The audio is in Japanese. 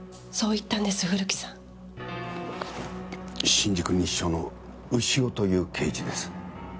新宿西署の牛尾という刑事です。